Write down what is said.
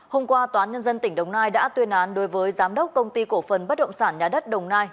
hôm qua tòa nhân dân tỉnh đồng nai đã tuyên án đối với giám đốc công ty cổ phần bất động sản nhà đất đồng nai